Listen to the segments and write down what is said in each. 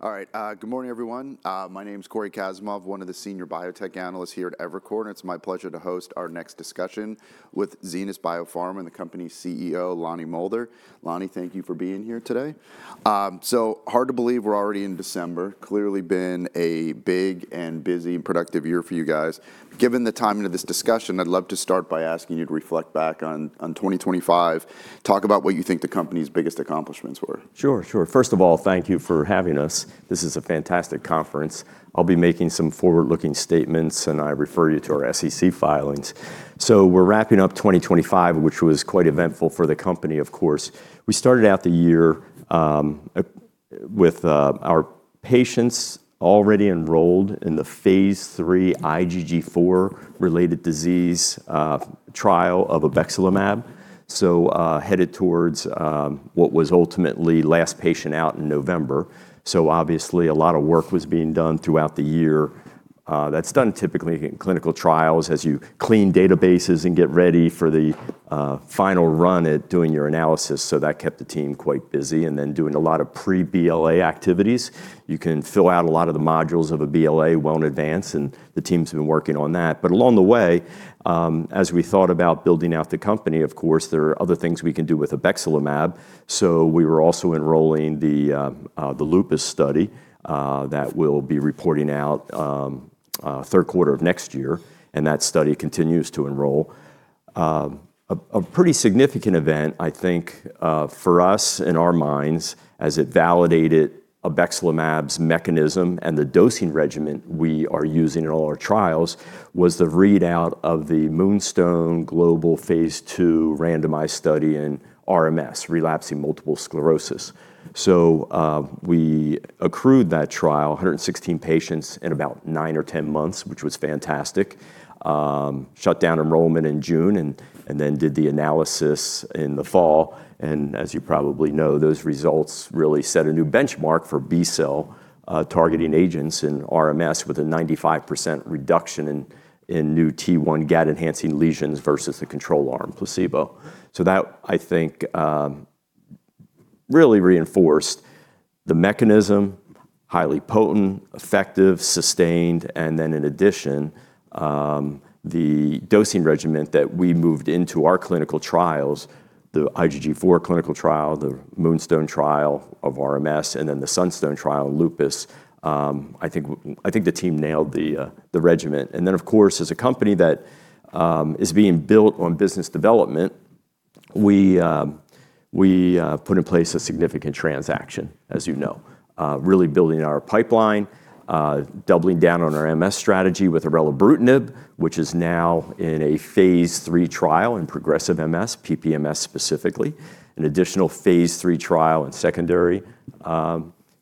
All right, good morning, everyone. My name is Cory Kasimov, one of the senior biotech analysts here at Evercore, and it's my pleasure to host our next discussion with Zenas BioPharma, Emmanuel Walter, and the company's CEO, Lonnie Moulder. Lonnie, thank you for being here today. So hard to believe we're already in December. Clearly been a big and busy and productive year for you guys. Given the timing of this discussion, I'd love to start by asking you to reflect back on 2025, talk about what you think the company's biggest accomplishments were. Sure, sure. First of all, thank you for having us. This is a fantastic conference. I'll be making some forward-looking statements, and I refer you to our SEC filings. So we're wrapping up 2025, which was quite eventful for the company, of course. We started out the year with our patients already enrolled in the phase III IgG4-related disease trial of obexelimab, so headed towards what was ultimately last patient out in November. So obviously, a lot of work was being done throughout the year. That's done typically in clinical trials as you clean databases and get ready for the final run at doing your analysis. So that kept the team quite busy. And then doing a lot of pre-BLA activities. You can fill out a lot of the modules of a BLA well in advance, and the teams have been working on that. But along the way, as we thought about building out the company, of course, there are other things we can do with Obexelimab. So we were also enrolling the lupus study that we'll be reporting out third quarter of next year, and that study continues to enroll. A pretty significant event, I think, for us in our minds, as it validated Obexelimab's mechanism and the dosing regimen we are using in all our trials, was the readout of the MoonStone Global phase II randomized study in RMS, relapsing multiple sclerosis. So we accrued that trial, 116 patients in about nine or ten months, which was fantastic. Shut down enrollment in June and then did the analysis in the fall. And as you probably know, those results really set a new benchmark for B-cell targeting agents in RMS with a 95% reduction in new T1 GAD-enhancing lesions versus the control arm, placebo. So that, I think, really reinforced the mechanism: highly potent, effective, sustained. And then in addition, the dosing regimen that we moved into our clinical trials, the IgG4 clinical trial, the MoonStone trial of RMS, and then the SunStone trial in lupus, I think the team nailed the regimen. And then, of course, as a company that is being built on business development, we put in place a significant transaction, as you know, really building our pipeline, doubling down on our MS strategy with orelabrutinib, which is now in a phase III trial in progressive MS, PPMS specifically, an additional phase III trial in secondary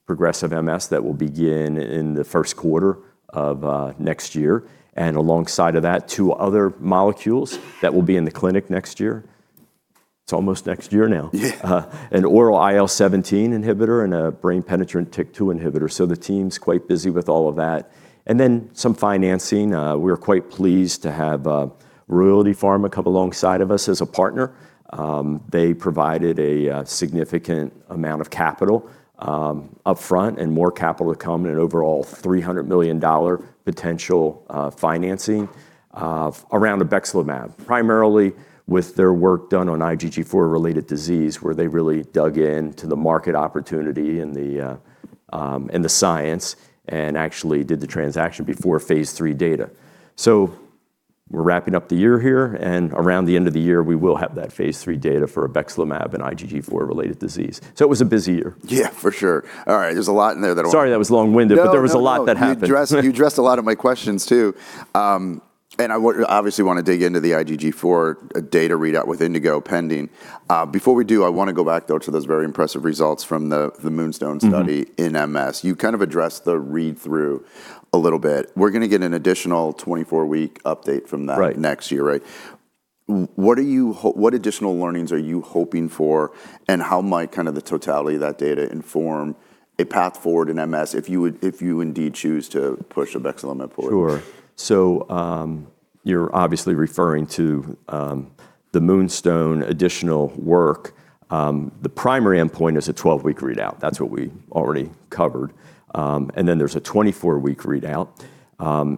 progressive MS that will begin in the first quarter of next year. Alongside of that, two other molecules that will be in the clinic next year. It's almost next year now. An oral IL-17 inhibitor and a brain penetrant TYK2 inhibitor. The team's quite busy with all of that. Then some financing. We were quite pleased to have Royalty Pharma come alongside of us as a partner. They provided a significant amount of capital upfront and more capital to come in an overall $300 million potential financing around obexelimab, primarily with their work done on IgG4-related disease, where they really dug into the market opportunity and the science and actually did the transaction before phase III data. We're wrapping up the year here, and around the end of the year, we will have that phase III data for obexelimab and IgG4-related disease. It was a busy year. Yeah, for sure. All right, there's a lot in there that. Sorry, that was long-winded, but there was a lot that happened. You addressed a lot of my questions too. And I obviously want to dig into the IgG4 data readout with INDIGO pending. Before we do, I want to go back, though, to those very impressive results from the MoonStone study in MS. You kind of addressed the read-through a little bit. We're going to get an additional 24-week update from that next year, right? What additional learnings are you hoping for, and how might kind of the totality of that data inform a path forward in MS if you indeed choose to push obexelimab forward? Sure. So you're obviously referring to the MoonStone additional work. The primary endpoint is a 12-week readout. That's what we already covered. And then there's a 24-week readout.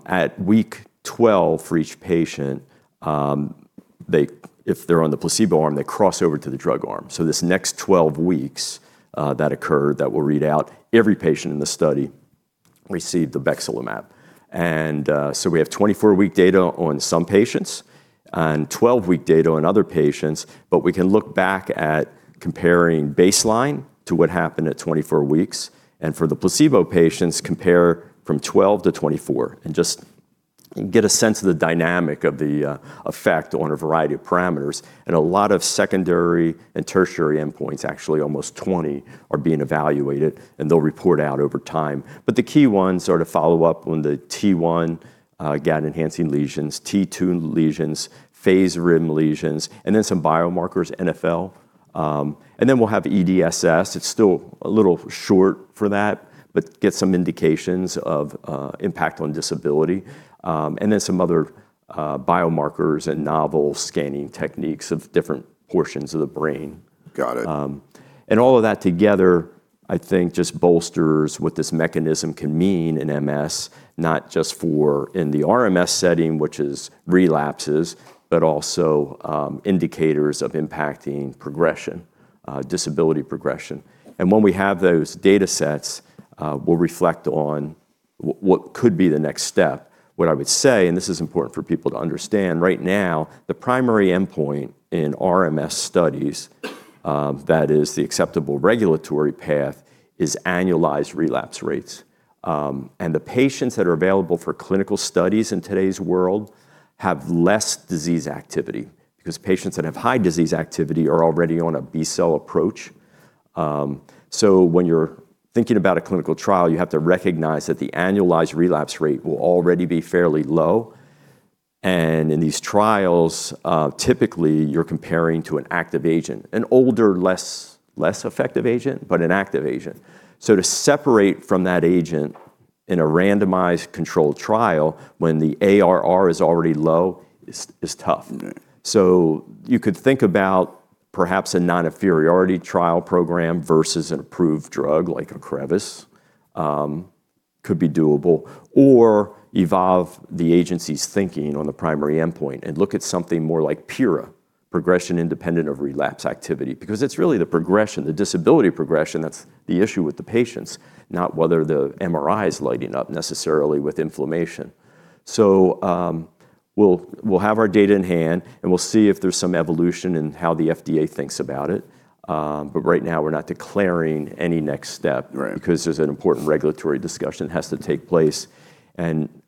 At week 12 for each patient, if they're on the placebo arm, they cross over to the drug arm. So this next 12 weeks that occur that will read out every patient in the study received obexelimab. And so we have 24-week data on some patients and 12-week data on other patients, but we can look back at comparing baseline to what happened at 24 weeks. And for the placebo patients, compare from 12-24 and just get a sense of the dynamic of the effect on a variety of parameters. And a lot of secondary and tertiary endpoints, actually almost 20, are being evaluated, and they'll report out over time. But the key ones are to follow up on the T1 GAD-enhancing lesions, T2 lesions, paramagnetic rim lesions, and then some biomarkers, NFL. And then we'll have EDSS. It's still a little short for that, but get some indications of impact on disability. And then some other biomarkers and novel scanning techniques of different portions of the brain. Got it. All of that together, I think, just bolsters what this mechanism can mean in MS, not just for in the RMS setting, which is relapses, but also indicators of impacting progression, disability progression. When we have those data sets, we'll reflect on what could be the next step. What I would say, and this is important for people to understand, right now, the primary endpoint in RMS studies, that is the acceptable regulatory path, is annualized relapse rates. The patients that are available for clinical studies in today's world have less disease activity because patients that have high disease activity are already on a B-cell approach. So when you're thinking about a clinical trial, you have to recognize that the annualized relapse rate will already be fairly low. In these trials, typically, you're comparing to an active agent, an older, less effective agent, but an active agent. So to separate from that agent in a randomized controlled trial when the ARR is already low is tough. So you could think about perhaps a non-inferiority trial program versus an approved drug like Ocrevus could be doable, or evolve the agency's thinking on the primary endpoint and look at something more like PIRA, progression independent of relapse activity, because it's really the progression, the disability progression that's the issue with the patients, not whether the MRI is lighting up necessarily with inflammation. So we'll have our data in hand, and we'll see if there's some evolution in how the FDA thinks about it. But right now, we're not declaring any next step because there's an important regulatory discussion that has to take place.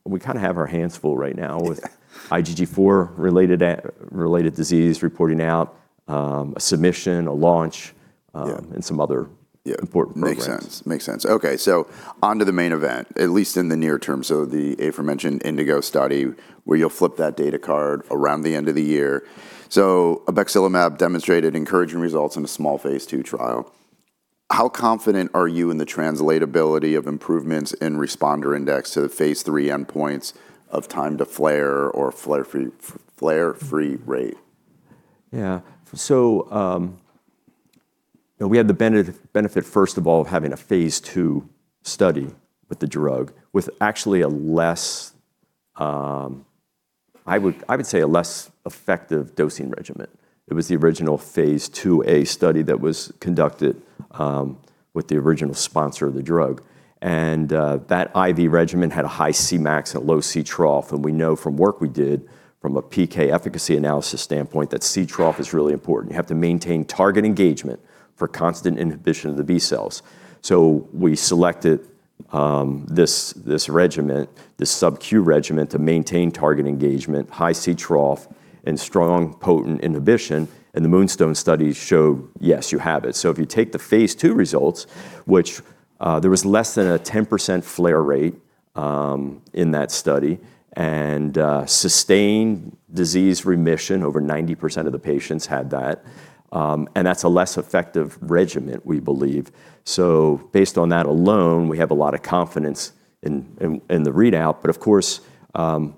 We kind of have our hands full right now with IgG4-related disease reporting out, a submission, a launch, and some other important progress. Makes sense. Makes sense. Okay, so on to the main event, at least in the near term. So the aforementioned INDIGO study, where you'll flip that data card around the end of the year. So obexelimab demonstrated encouraging results in a small phase II trial. How confident are you in the translatability of improvements in responder index to the phase III endpoints of time to flare or flare-free rate? Yeah. So we had the benefit, first of all, of having a phase II study with the drug, with actually a less, I would say, a less effective dosing regimen. It was the original phase II a study that was conducted with the original sponsor of the drug. And that IV regimen had a high Cmax and low Ctrough. And we know from work we did from a PK efficacy analysis standpoint that Ctrough is really important. You have to maintain target engagement for constant inhibition of the B-cells. So we selected this regimen, this sub-Q regimen, to maintain target engagement, high Ctrough, and strong potent inhibition. And the MoonStone study showed, yes, you have it. So if you take the phase II results, which there was less than a 10% flare rate in that study and sustained disease remission, over 90% of the patients had that. That's a less effective regimen, we believe. Based on that alone, we have a lot of confidence in the readout. Of course,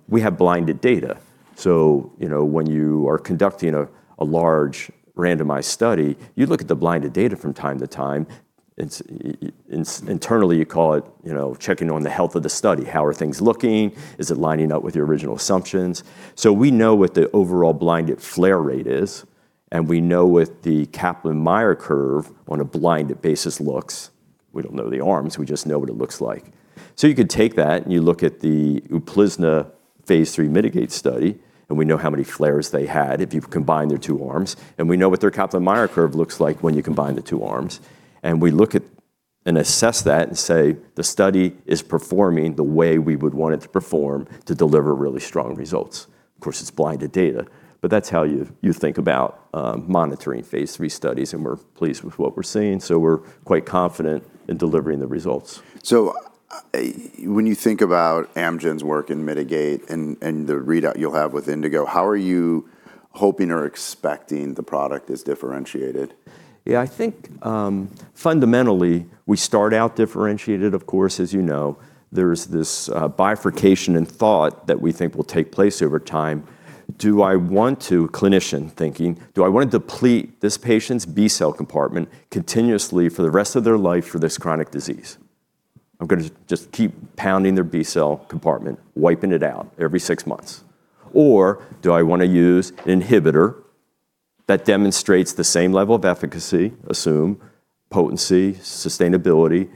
we have blinded data. When you are conducting a large randomized study, you look at the blinded data from time to time. Internally, you call it checking on the health of the study. How are things looking? Is it lining up with your original assumptions? We know what the overall blinded flare rate is, and we know what the Kaplan-Meier curve on a blinded basis looks. We don't know the arms. We just know what it looks like. You could take that and you look at the Uplizna Phase III MITIGATE study, and we know how many flares they had if you combine their two arms. We know what their Kaplan-Meier curve looks like when you combine the two arms. We look at and assess that and say, the study is performing the way we would want it to perform to deliver really strong results. Of course, it's blinded data, but that's how you think about monitoring phase III studies, and we're pleased with what we're seeing. We're quite confident in delivering the results. So when you think about Amgen's work in MITIGATE and the readout you'll have with INDIGO, how are you hoping or expecting the product is differentiated? Yeah, I think fundamentally we start out differentiated, of course, as you know, there's this bifurcation in thought that we think will take place over time. Do I want to, clinician thinking, do I want to deplete this patient's B-cell compartment continuously for the rest of their life for this chronic disease? I'm going to just keep pounding their B-cell compartment, wiping it out every six months. Or do I want to use an inhibitor that demonstrates the same level of efficacy, assume potency, sustainability,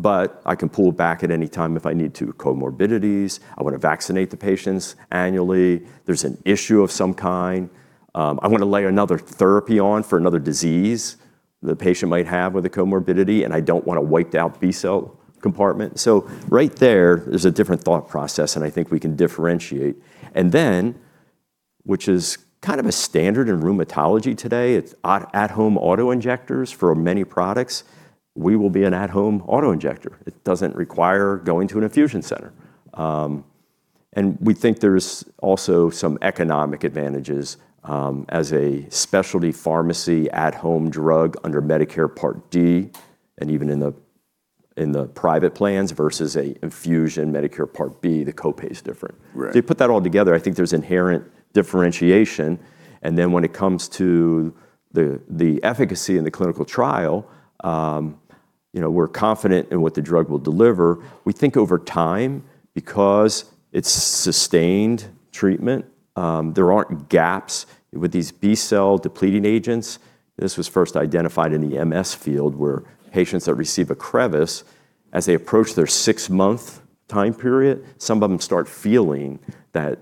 but I can pull back at any time if I need to? Comorbidities, I want to vaccinate the patients annually. There's an issue of some kind. I want to lay another therapy on for another disease the patient might have with a comorbidity, and I don't want a wiped-out B-cell compartment. So right there, there's a different thought process, and I think we can differentiate. And then, which is kind of a standard in rheumatology today, it's at-home auto injectors for many products. We will be an at-home auto injector. It doesn't require going to an infusion center. And we think there's also some economic advantages as a specialty pharmacy at-home drug under Medicare Part D and even in the private plans versus an infusion Medicare Part B, the copay is different. So you put that all together, I think there's inherent differentiation. And then when it comes to the efficacy in the clinical trial, we're confident in what the drug will deliver. We think over time, because it's sustained treatment, there aren't gaps with these B-cell depleting agents. This was first identified in the MS field where patients that receive Ocrevus, as they approach their six-month time period, some of them start feeling that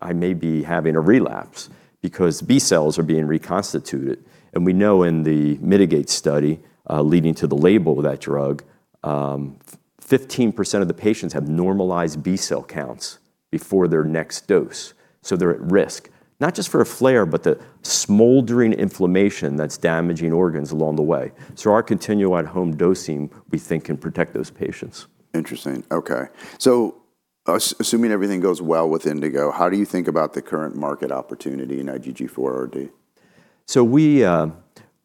I may be having a relapse because B-cells are being reconstituted, and we know in the MITIGATE study leading to the label of that drug, 15% of the patients have normalized B-cell counts before their next dose, so they're at risk, not just for a flare, but the smoldering inflammation that's damaging organs along the way, so our continued at-home dosing, we think, can protect those patients. Interesting. Okay. So assuming everything goes well with Indigo, how do you think about the current market opportunity in IgG4-RD? So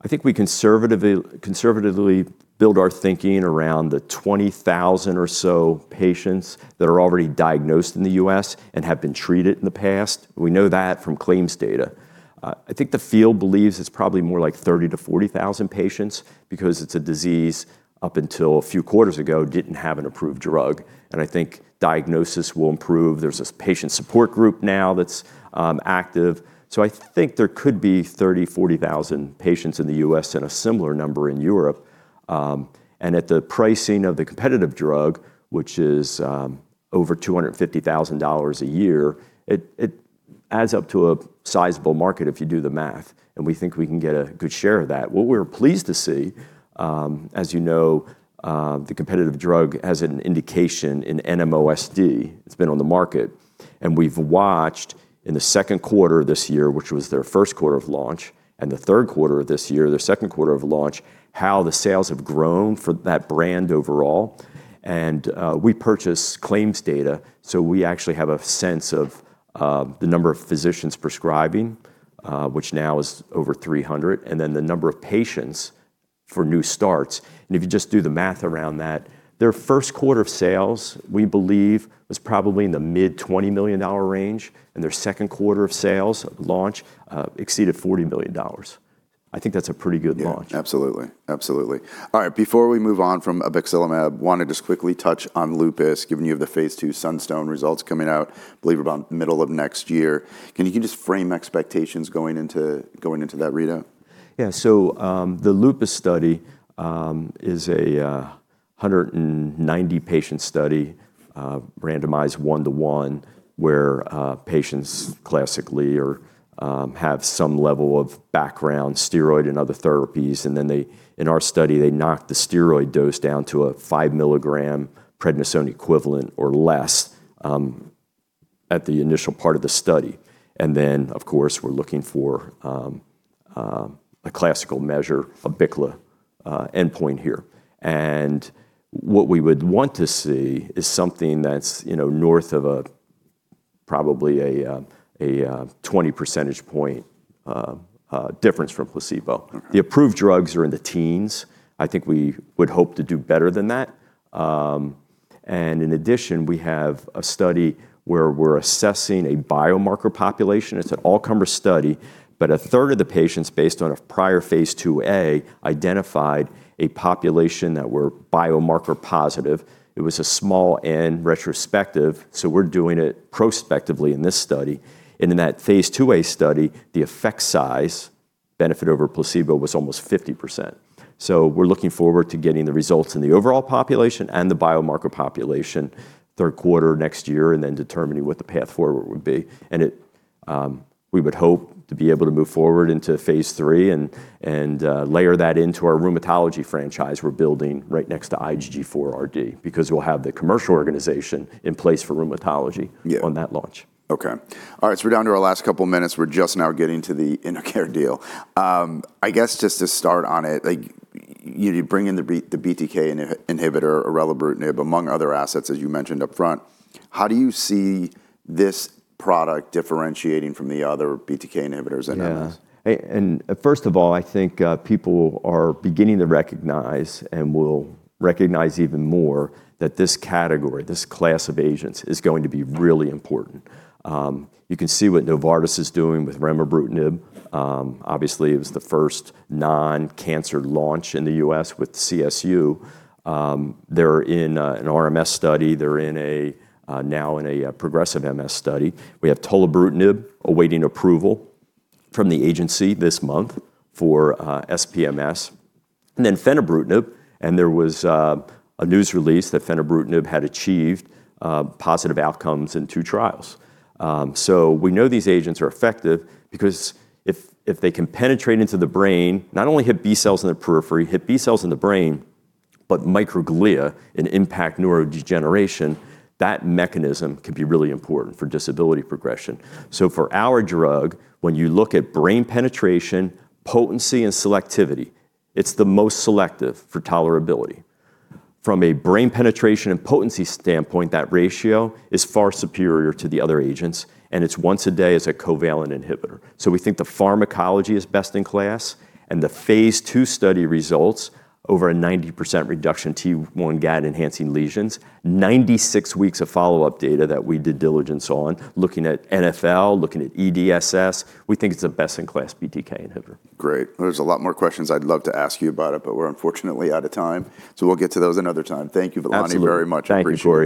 I think we conservatively build our thinking around the 20,000 or so patients that are already diagnosed in the U.S. and have been treated in the past. We know that from claims data. I think the field believes it's probably more like 30,000 to 40,000 patients because it's a disease up until a few quarters ago, didn't have an approved drug. And I think diagnosis will improve. There's a patient support group now that's active. So I think there could be 30,000 to 40,000 patients in the U.S. and a similar number in Europe. And at the pricing of the competitive drug, which is over $250,000 a year, it adds up to a sizable market if you do the math. A nd we think we can get a good share of that. What we're pleased to see, as you know, the competitive drug has an indication in NMOSD. It's been on the market, and we've watched in the second quarter of this year, which was their first quarter of launch, and the third quarter of this year, their second quarter of launch, how the sales have grown for that brand overall, and we purchase claims data, so we actually have a sense of the number of physicians prescribing, which now is over 300, and then the number of patients for new starts. And if you just do the math around that, their first quarter of sales, we believe, was probably in the mid-$20 million range, and their second quarter of sales launch exceeded $40 million. I think that's a pretty good launch. Absolutely. Absolutely. All right, before we move on from obexelimab, wanted to just quickly touch on Lupus, given you have the phase II SunStone results coming out, believe about middle of next year. Can you just frame expectations going into that readout? Yeah, so the Lupus study is a 190-patient study, randomized one-to-one, where patients classically have some level of background steroid and other therapies. And then in our study, they knocked the steroid dose down to a five-milligram prednisone equivalent or less at the initial part of the study. And then, of course, we're looking for a classical measure, a BICLA endpoint here. And what we would want to see is something that's north of probably a 20-percentage-point difference from placebo. The approved drugs are in the teens. I think we would hope to do better than that. And in addition, we have a study where we're assessing a biomarker population. It's an all-comer study, but a third of the patients, based on a prior phase IIA, identified a population that were biomarker positive. It was a small N retrospective, so we're doing it prospectively in this study. And in that phase IIa study, the effect size, benefit over placebo, was almost 50%. So we're looking forward to getting the results in the overall population and the biomarker population third quarter next year and then determining what the path forward would be. And we would hope to be able to move forward into phase III and layer that into our rheumatology franchise we're building right next to IgG4-RD because we'll have the commercial organization in place for rheumatology on that launch. Okay. All right, so we're down to our last couple of minutes. We're just now getting to the InnoCare deal. I guess just to start on it, you bring in the BTK inhibitor, orelabrutinib, among other assets, as you mentioned upfront. How do you see this product differentiating from the other BTK inhibitors in MS? Yeah. And first of all, I think people are beginning to recognize and will recognize even more that this category, this class of agents, is going to be really important. You can see what Novartis is doing with remibrutinib. Obviously, it was the first non-cancer launch in the U.S. with CSU. They're in an RMS study. They're now in a progressive MS study. We have tolebrutinib awaiting approval from the agency this month for SPMS. And then fenebrutinib. And there was a news release that fenebrutinib had achieved positive outcomes in two trials. So we know these agents are effective because if they can penetrate into the brain, not only hit B-cells in the periphery, hit B-cells in the brain, but microglia and impact neurodegeneration, that mechanism can be really important for disability progression. So for our drug, when you look at brain penetration, potency, and selectivity, it's the most selective for tolerability. From a brain penetration and potency standpoint, that ratio is far superior to the other agents, and it's once a day as a covalent inhibitor. So we think the pharmacology is best in class, and the phase II study results over a 90% reduction in T1 GAD-Enhancing Lesions, 96 weeks of follow-up data that we did diligence on, looking at NFL, looking at EDSS. We think it's the best in class BTK inhibitor. Great. There's a lot more questions I'd love to ask you about it, but we're unfortunately out of time. So we'll get to those another time. Thank you, Lonnie, very much. Thank you. Appreciate it.